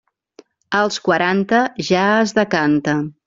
Als quaranta, ja es decanta.